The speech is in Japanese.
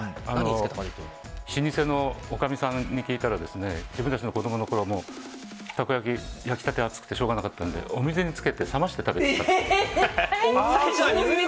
老舗のおかみさんに聞いたら自分たちの子供のころはたこ焼きの焼きたてが熱くて仕方がなかったんでお水につけて冷まして食べていたと。